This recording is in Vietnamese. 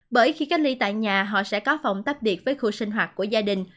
bởi khi cách ly tại nhà họ sẽ có phòng tắp điệt với khu sinh hoạt của gia đình